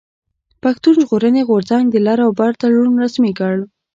پښتون ژغورني غورځنګ د لر او بر تړون رسمي کړ.